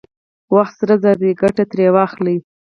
وخت سره زر دی، ګټه ترې واخلئ!